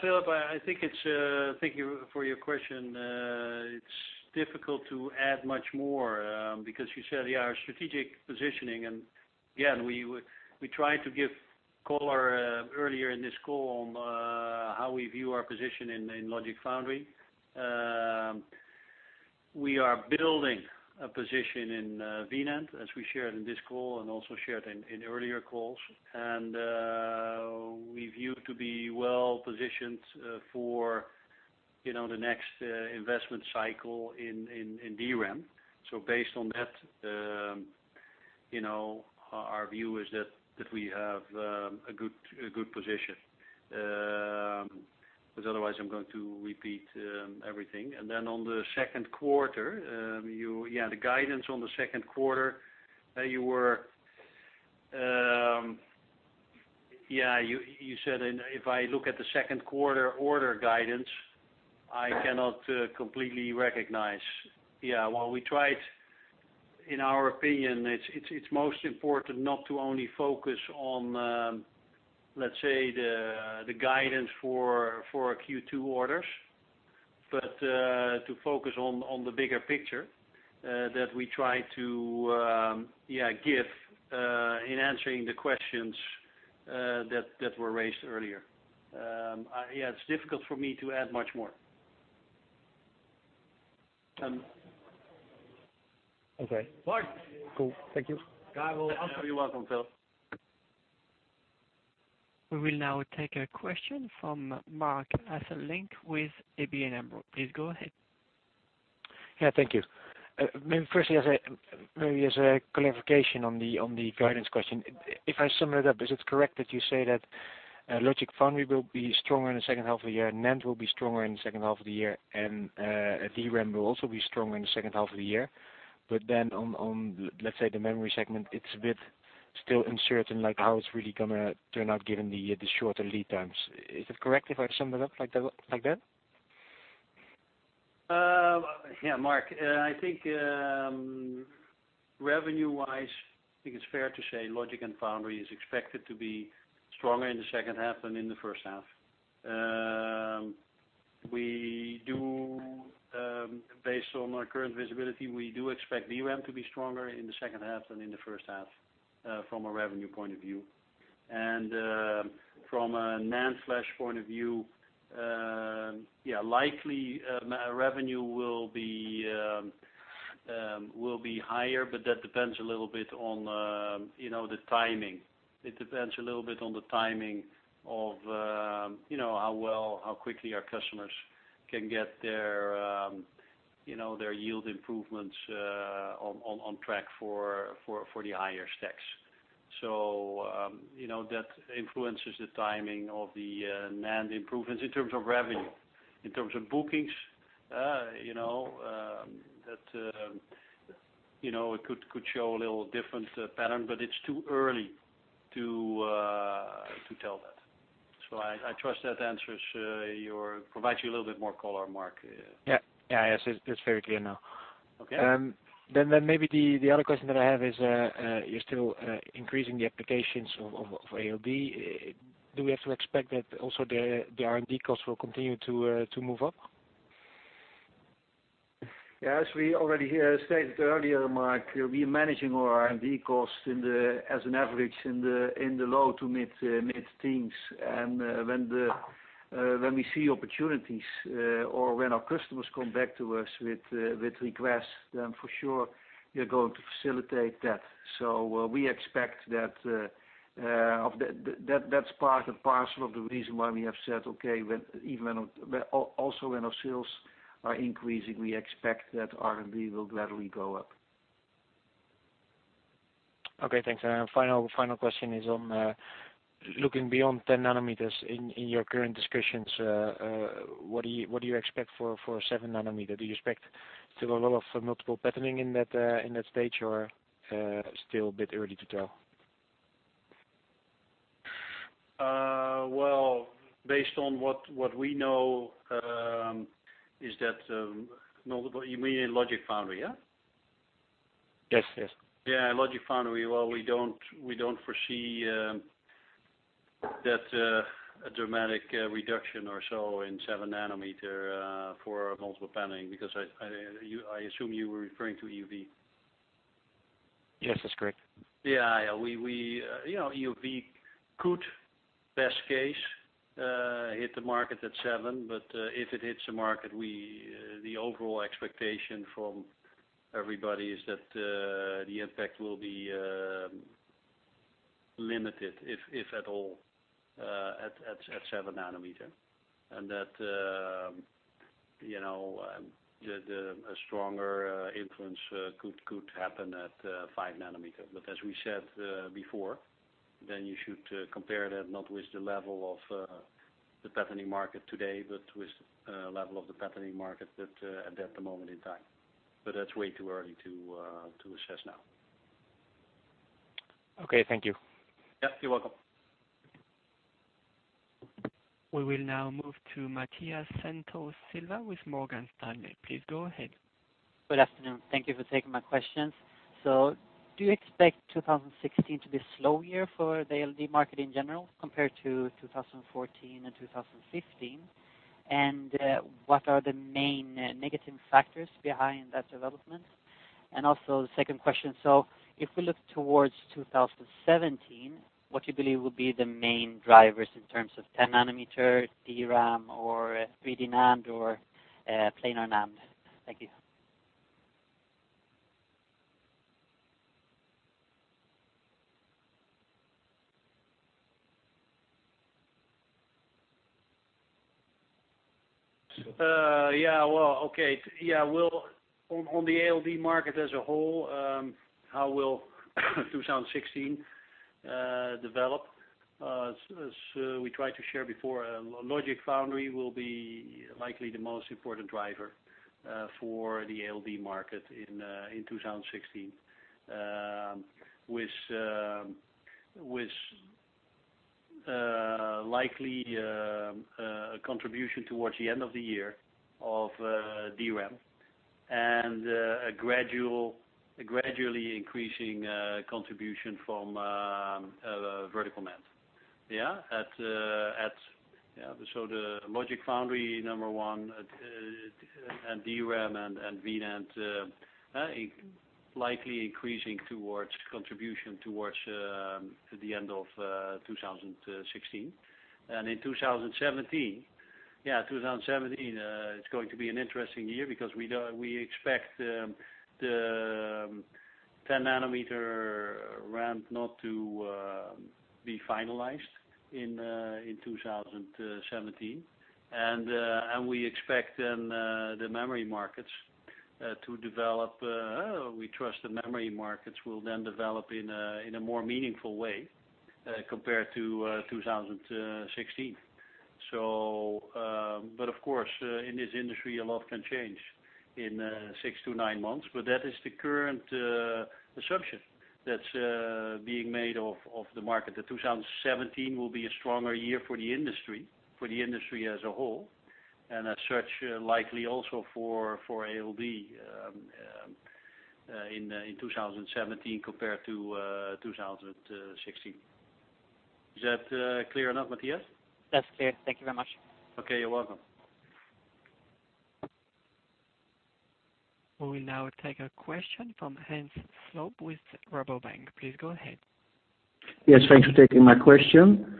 Philip, thank you for your question. It's difficult to add much more, because you said our strategic positioning. Again, we tried to give color earlier in this call on how we view our position in logic foundry. We are building a position in V-NAND, as we shared in this call and also shared in earlier calls. We view to be well-positioned for the next investment cycle in DRAM. Based on that, our view is that we have a good position. Otherwise I'm going to repeat everything. Then on the second quarter, the guidance on the second quarter, you said, "If I look at the second quarter order guidance, I cannot completely recognize." We tried. In our opinion, it's most important not to only focus on the guidance for our Q2 orders, but to focus on the bigger picture that we try to give in answering the questions that were raised earlier. It's difficult for me to add much more. Okay. Marc? Cool. Thank you. You're welcome, Philip. We will now take a question from Marc Hesselink with ABN AMRO. Please go ahead. Yeah, thank you. Maybe firstly, maybe as a clarification on the guidance question. If I sum it up, is it correct that you say that logic foundry will be stronger in the second half of the year, NAND will be stronger in the second half of the year, and DRAM will also be stronger in the second half of the year? On, let's say the memory segment, it's a bit still uncertain how it's really going to turn out given the shorter lead times. Is it correct if I sum that up like that? Yeah, Marc. I think revenue-wise, I think it's fair to say logic and foundry is expected to be stronger in the second half than in the first half. Based on our current visibility, we do expect DRAM to be stronger in the second half than in the first half, from a revenue point of view. From a NAND flash point of view, likely revenue will be higher, but that depends a little bit on the timing. It depends a little bit on the timing of how well, how quickly our customers can get their yield improvements on track for the higher stacks. That influences the timing of the NAND improvements in terms of revenue. In terms of bookings, it could show a little different pattern, but it's too early to tell that. I trust that answers your, provides you a little bit more color, Marc. Yeah. It's very clear now. Okay. maybe the other question that I have is, you're still increasing the applications of ALD. Do we have to expect that also the R&D cost will continue to move up? Yeah, as we already stated earlier, Marc, we are managing our R&D costs as an average in the low to mid-teens. When we see opportunities or when our customers come back to us with requests, then for sure we are going to facilitate that. We expect that's part and parcel of the reason why we have said, okay, also when our sales are increasing, we expect that R&D will gradually go up. Okay, thanks. Final question is on looking beyond 10 nanometers in your current discussions, what do you expect for 7 nanometer? Do you expect still a lot of multiple patterning in that stage, or still a bit early to tell? Well, based on what we know, You mean in logic foundry, yeah? Yes. Yeah. Logic foundry, well, we don't foresee that a dramatic reduction or so in 7 nanometer for multiple patterning, because I assume you were referring to EUV. Yes, that's correct. Yeah. EUV could, best case, hit the market at seven. If it hits the market, the overall expectation from everybody is that the impact will be limited, if at all, at 7 nanometer. That a stronger influence could happen at 5 nanometer. As we said before, then you should compare that not with the level of the patterning market today, but with level of the patterning market at that moment in time. That's way too early to assess now. Okay, thank you. Yes, you're welcome. We will now move to Matheus Santos Silva with Morgan Stanley. Please go ahead. Good afternoon. Thank you for taking my questions. Do you expect 2016 to be a slow year for the ALD market in general compared to 2014 and 2015? What are the main negative factors behind that development? Also, the second question. If we look towards 2017, what you believe will be the main drivers in terms of 10 nanometer DRAM or 3D NAND or planar NAND? Thank you. Well, okay. On the ALD market as a whole, how will 2016 develop? We tried to share before, logic foundry will be likely the most important driver for the ALD market in 2016. With likely a contribution towards the end of the year of DRAM, and a gradually increasing contribution from vertical NAND. The logic foundry, number one, and DRAM and V-NAND likely increasing towards contribution towards the end of 2016. In 2017, it's going to be an interesting year because we expect the 10 nanometer ramp not to be finalized in 2017. We trust the memory markets will then develop in a more meaningful way compared to 2016. Of course, in this industry, a lot can change in six to nine months. That is the current assumption that is being made of the market, that 2017 will be a stronger year for the industry as a whole, and as such, likely also for ALD in 2017 compared to 2016. Is that clear enough, Matheus? That is clear. Thank you very much. Okay. You are welcome. We will now take a question from Hans Slob with Rabobank. Please go ahead. Yes, thanks for taking my question.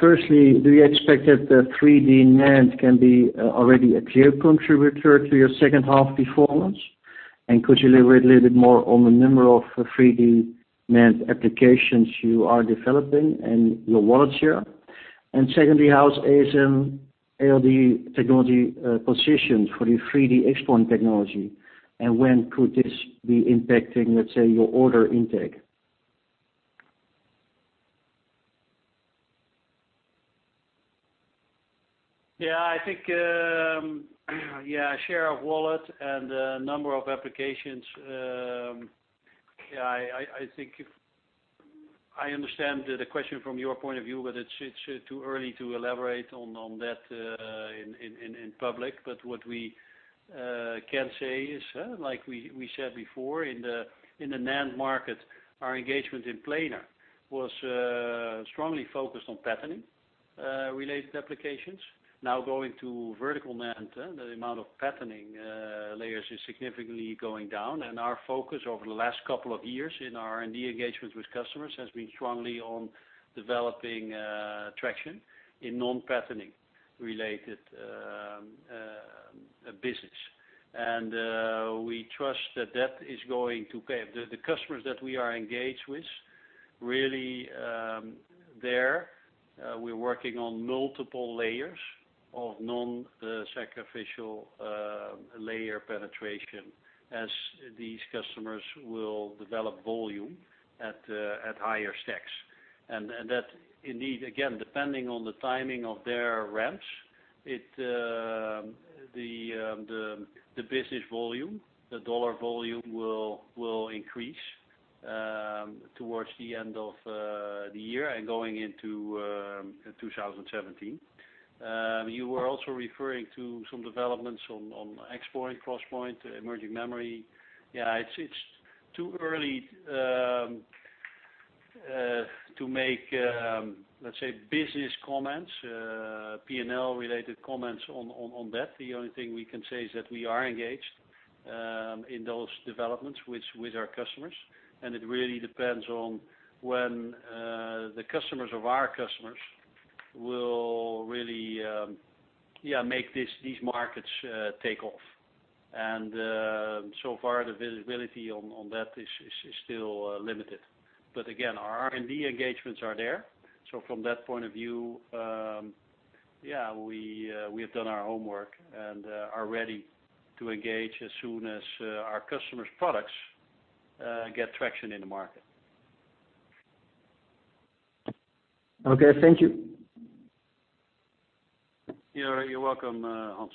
Firstly, do you expect that 3D NAND can be already a key contributor to your second half performance? Could you elaborate a little bit more on the number of 3D NAND applications you are developing and your wallet share? Secondly, how is ASM ALD technology positioned for the 3D XPoint technology, and when could this be impacting, let's say, your order intake? Yeah, share of wallet and number of applications. I think I understand the question from your point of view, it's too early to elaborate on that in public. What we can say is, like we said before, in the NAND market, our engagement in planar was strongly focused on patterning-related applications. Now going to vertical NAND, the amount of patterning layers is significantly going down, our focus over the last couple of years in R&D engagement with customers has been strongly on developing traction in non-patterning related business. We trust that that is going to pay. The customers that we are engaged with, really there, we're working on multiple layers of non-sacrificial layer penetration as these customers will develop volume at higher stacks. That indeed, again, depending on the timing of their ramps, the business volume, the dollar volume, will increase towards the end of the year and going into 2017. You were also referring to some developments on XPoint, CrossPoint, emerging memory. Yeah, it's too early to make, let's say, business comments, P&L related comments on that. The only thing we can say is that we are engaged in those developments with our customers, it really depends on when the customers of our customers will really make these markets take off. So far, the visibility on that is still limited. Again, our R&D engagements are there. From that point of view, we have done our homework and are ready to engage as soon as our customers' products get traction in the market. Okay, thank you. You're welcome, Hans.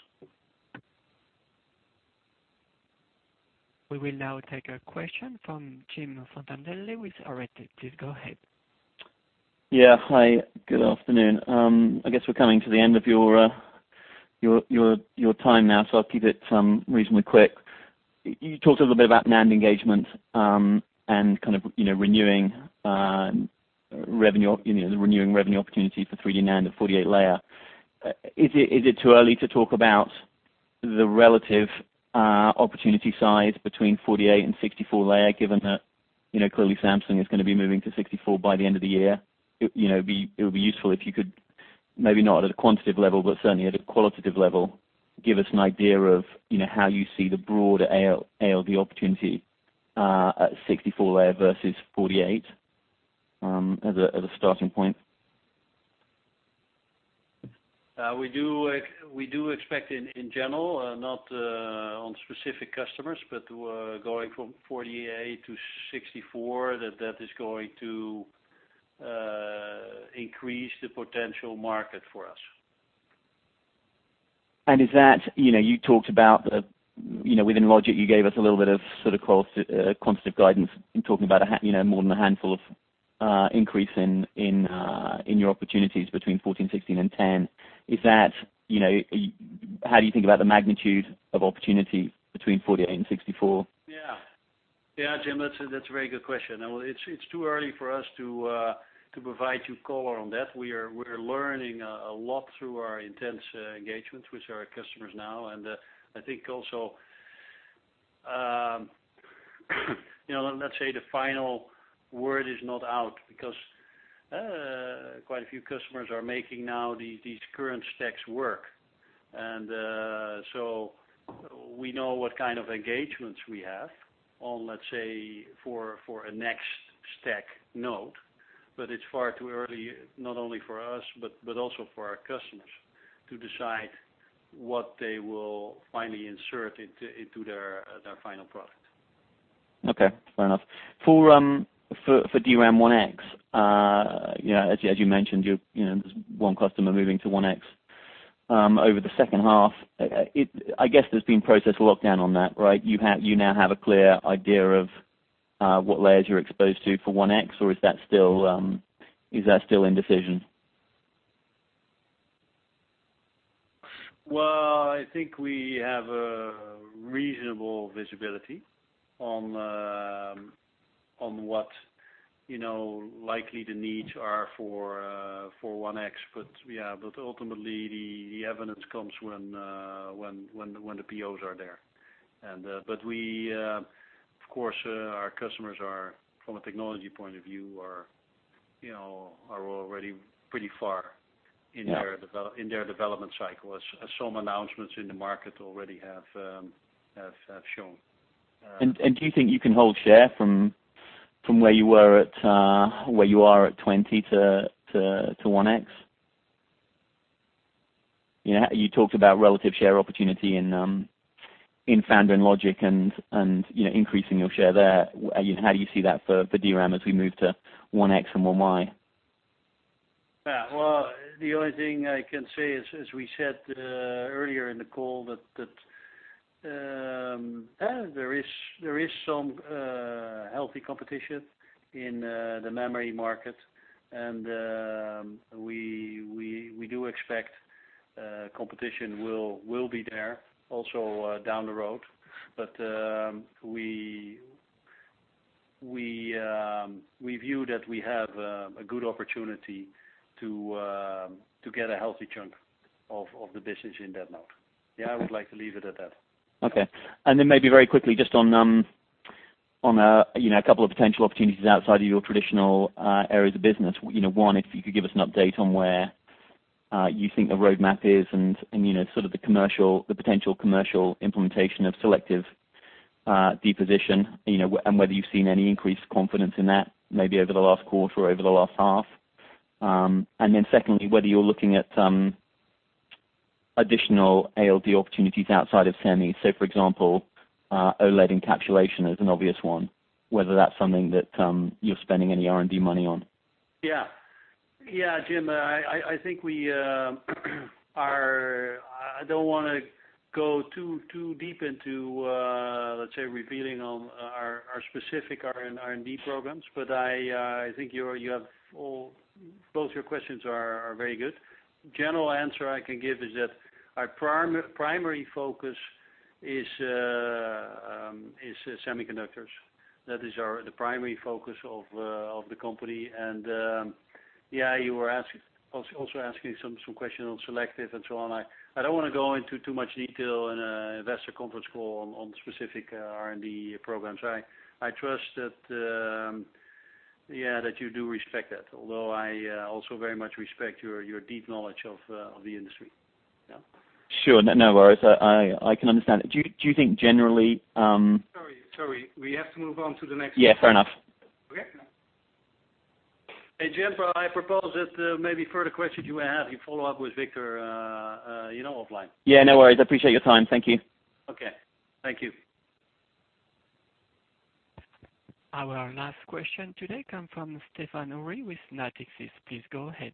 We will now take a question from Jim Fontanelli with Arete. Please go ahead. Yeah. Hi, good afternoon. I guess we're coming to the end of your time now, so I'll keep it reasonably quick. You talked a little bit about NAND engagement, and kind of renewing revenue opportunity for 3D NAND at 48 layer. Is it too early to talk about the relative opportunity size between 48 and 64 layer, given that clearly Samsung is going to be moving to 64 by the end of the year? It would be useful if you could, maybe not at a quantitative level, but certainly at a qualitative level, give us an idea of how you see the broader ALD opportunity at 64 layer versus 48 as a starting point. We do expect in general, not on specific customers, but going from 48 to 64, that that is going to increase the potential market for us. Within logic, you gave us a little bit of sort of quantitative guidance in talking about more than a handful of increase in your opportunities between 14, 16, and 10. How do you think about the magnitude of opportunity between 48 and 64? Yeah. Jim, that's a very good question. It's too early for us to provide you color on that. We're learning a lot through our intense engagements with our customers now. I think also, let's say the final word is not out because quite a few customers are making now these current stacks work. So we know what kind of engagements we have on, let's say, for a next stack node, but it's far too early, not only for us, but also for our customers to decide what they will finally insert into their final product. Okay, fair enough. For DRAM 1X, as you mentioned, there's one customer moving to 1X over the second half. I guess there's been process lockdown on that, right? You now have a clear idea of what layers you're exposed to for 1X, or is that still indecision? Well, I think we have a reasonable visibility on what likely the needs are for 1X. Yeah, ultimately, the evidence comes when the POs are there. Of course, our customers, from a technology point of view are already pretty far in their development cycle, as some announcements in the market already have shown. Do you think you can hold share from where you are at 20 to 1X? You talked about relative share opportunity in foundry and logic and increasing your share there. How do you see that for DRAM as we move to 1X and 1Y? The only thing I can say is, as we said earlier in the call, that there is some healthy competition in the memory market. We do expect competition will be there also down the road. We view that we have a good opportunity to get a healthy chunk of the business in that node. I would like to leave it at that. Maybe very quickly, just on a couple of potential opportunities outside of your traditional areas of business. One, if you could give us an update on where you think the roadmap is and sort of the potential commercial implementation of selective deposition, and whether you've seen any increased confidence in that, maybe over the last quarter or over the last half. Secondly, whether you're looking at additional ALD opportunities outside of semi. For example, OLED encapsulation is an obvious one, whether that's something that you're spending any R&D money on. Jim, I don't want to go too deep into, let's say, revealing our specific R&D programs. I think both your questions are very good. General answer I can give is that our primary focus is semiconductors. That is the primary focus of the company. You were also asking some questions on selective and so on. I don't want to go into too much detail in an investor conference call on specific R&D programs. I trust that you do respect that, although I also very much respect your deep knowledge of the industry. Sure. No worries. I can understand. Do you think? Sorry. We have to move on. Yeah, fair enough. Okay. Jim, I propose that maybe further questions you have, you follow up with Victor offline. Yeah, no worries. I appreciate your time. Thank you. Okay. Thank you. Our last question today comes from Stéphane Houri with Natixis. Please go ahead.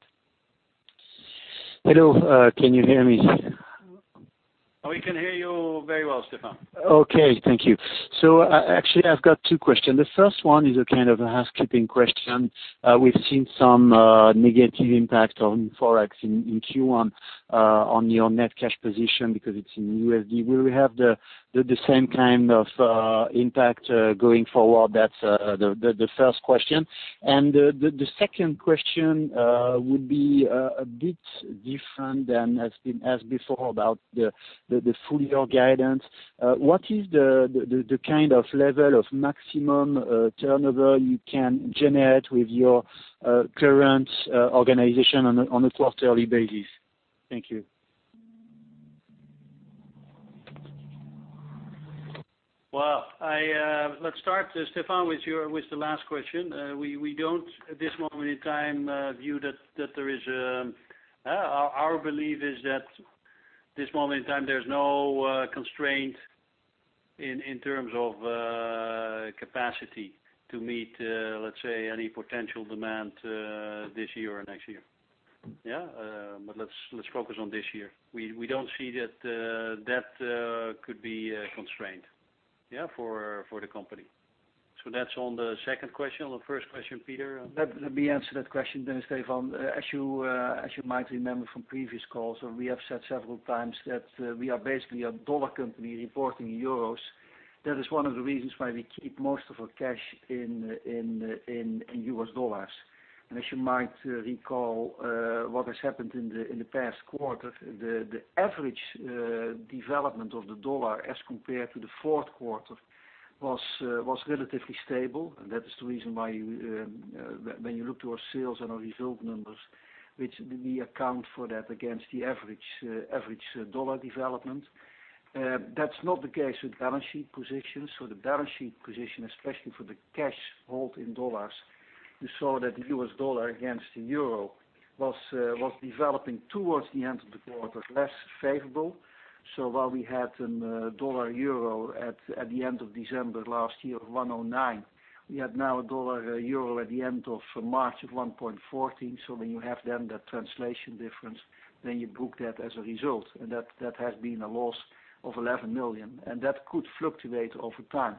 Hello, can you hear me? We can hear you very well, Stéphane. Okay. Thank you. Actually, I've got two questions. The first one is a kind of a housekeeping question. We've seen some negative impact on Forex in Q1 on your net cash position because it's in USD. Will we have the same kind of impact going forward? That's the first question. The second question would be a bit different than has been asked before about the full-year guidance. What is the kind of level of maximum turnover you can generate with your current organization on a quarterly basis? Thank you. Well, let's start, Stéphane, with the last question. Our belief is that this moment in time, there's no constraint in terms of capacity to meet, let's say, any potential demand this year or next year. Yeah? Let's focus on this year. We don't see that that could be a constraint for the company. That's on the second question. On the first question, Pieter? Let me answer that question then, Stéphane. As you might remember from previous calls, we have said several times, that we are basically a dollar company reporting in euros. That is one of the reasons why we keep most of our cash in US dollars. As you might recall, what has happened in the past quarter, the average development of the dollar as compared to the fourth quarter was relatively stable. That is the reason why when you look to our sales and our result numbers, which we account for that against the average dollar development. That's not the case with balance sheet positions. The balance sheet position, especially for the cash hold in dollars You saw that the U.S. dollar against the EUR was developing towards the end of the quarter, less favorable. While we had a U.S. dollar-EUR at the end of December last year of 109, we have now a U.S. dollar-EUR at the end of March of 1.14. When you have then that translation difference, you book that as a result. That has been a loss of 11 million, and that could fluctuate over time.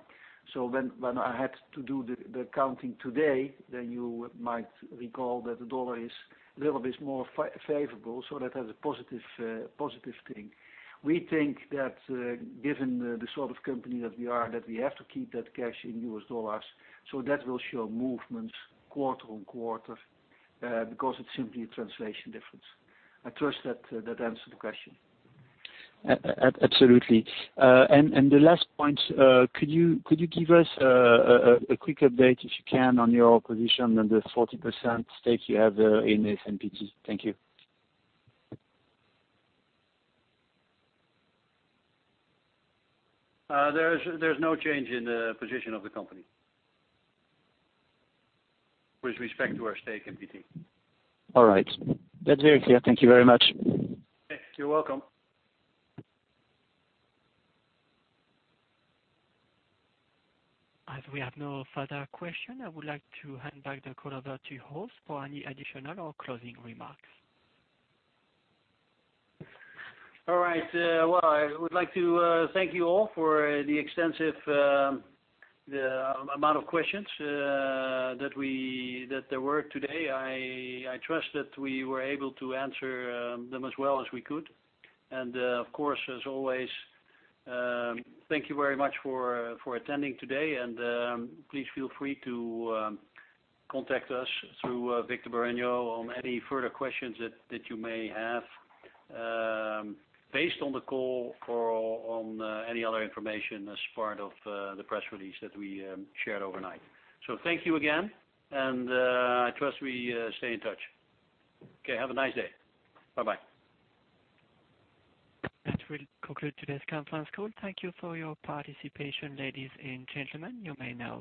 When I had to do the counting today, you might recall that the U.S. dollar is a little bit more favorable, so that has a positive thing. We think that, given the sort of company that we are, that we have to keep that cash in U.S. dollars. That will show movements quarter-on-quarter, because it's simply a translation difference. I trust that that answered the question. Absolutely. The last point, could you give us a quick update, if you can, on your position on the 40% stake you have in ASMPT? Thank you. There's no change in the position of the company with respect to our stake in ASMPT. All right. That's very clear. Thank you very much. You're welcome. As we have no further question, I would like to hand back the call over to Chuck for any additional or closing remarks. All right. Well, I would like to thank you all for the extensive amount of questions that there were today. I trust that we were able to answer them as well as we could. Of course, as always, thank you very much for attending today, and please feel free to contact us through Victor Bareño on any further questions that you may have based on the call or on any other information as part of the press release that we shared overnight. Thank you again, and I trust we stay in touch. Okay, have a nice day. Bye-bye. That will conclude today's conference call. Thank you for your participation, ladies and gentlemen. You may now disconnect.